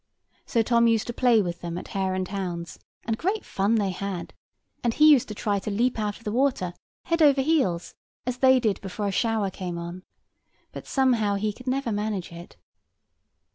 So Tom used to play with them at hare and hounds, and great fun they had; and he used to try to leap out of the water, head over heels, as they did before a shower came on; but somehow he never could manage it.